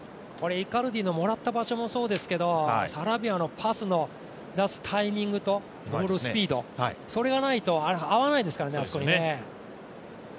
イカルディのもらった場所もそうですけど、サラビアのパスを出すタイミング、それがないと合わないですからね、あそこにね。